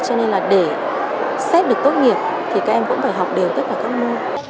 cho nên là để xét được tốt nghiệp thì các em cũng phải học đều tất cả các môn